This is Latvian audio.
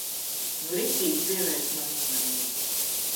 Nu riktīgi pievērst manu uzmanību.